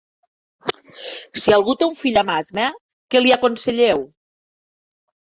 Si algú té un fill amb asma, què li aconselleu?